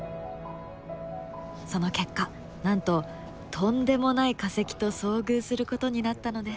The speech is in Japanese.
その結果なんととんでもない化石と遭遇することになったのです。